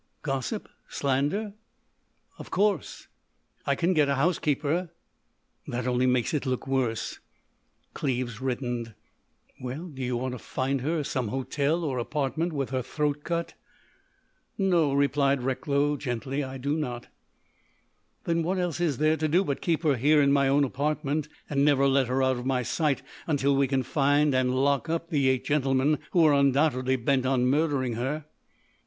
"Gossip? Slander?" "Of course." "I can get a housekeeper." "That only makes it look worse." Cleves reddened. "Well, do you want to find her in some hotel or apartment with her throat cut?" "No," replied Recklow, gently, "I do not." "Then what else is there to do but keep her here in my own apartment and never let her out of my sight until we can find and lock up the eight gentlemen who are undoubtedly bent on murdering her?"